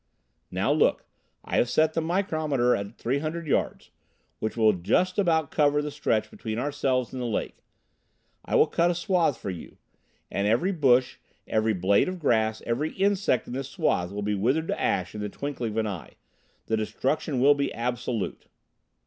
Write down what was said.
"Now look. I have set the micrometer at three hundred yards, which will just about cover the stretch between ourselves and the lake. I will cut a swath for you and every bush, every blade of grass, every insect in this swath will be withered to ash in the twinkling of an eye. The destruction will be absolute."